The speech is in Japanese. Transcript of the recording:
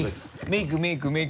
メイクメイク。